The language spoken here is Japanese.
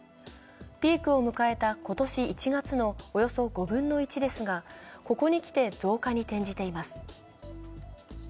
ピークを迎えた今年１月のおよそ５分の１ですがここに来て増加に転じています。